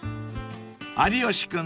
［有吉君